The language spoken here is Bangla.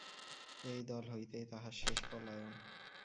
এই দল হইতেই তাহার শেষ পলায়ন।